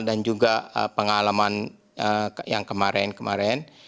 dan juga pengalaman yang kemarin kemarin